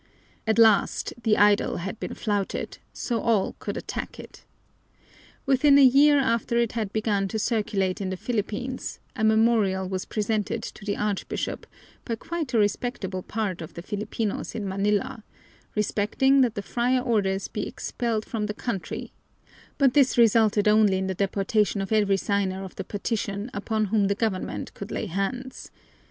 At last the idol had been flouted, so all could attack it. Within a year after it had begun to circulate in the Philippines a memorial was presented to the Archbishop by quite a respectable part of the Filipinos in Manila, requesting that the friar orders be expelled from the country, but this resulted only in the deportation of every signer of the petition upon whom the government could lay hands.